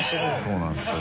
そうなんですよ